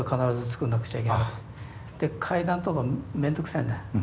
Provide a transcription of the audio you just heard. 階段とか面倒くさいんだ。